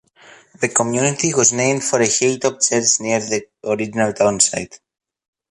The community was named for a hilltop church near the original townsite.